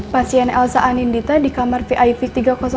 pasien elsa anindita di kamar vip tiga ratus dua